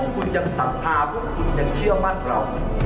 คุณยังศรัทธาพวกคุณยังเชื่อมั่นเรา